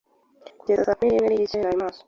kugeza saa kumi n'imwe n'igice narimaso.